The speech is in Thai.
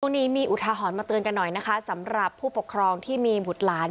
นี้มีอุทาหรณ์มาเตือนกันหน่อยนะคะสำหรับผู้ปกครองที่มีบุตรหลาน